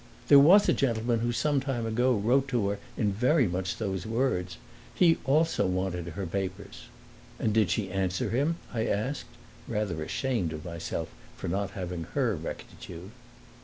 "There was a gentleman who some time ago wrote to her in very much those words. He also wanted her papers." "And did she answer him?" I asked, rather ashamed of myself for not having her rectitude.